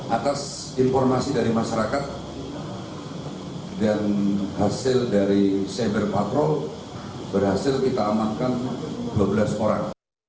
atas informasi dari masyarakat dan hasil dari cyber patrol berhasil kita amankan dua belas orang